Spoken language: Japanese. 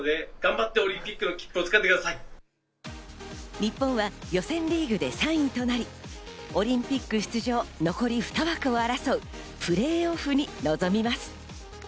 日本は予選リーグで３位となり、オリンピック出場、残り２枠を争うプレーオフに臨みます。